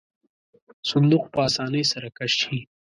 صندوق په آسانۍ سره کش شي.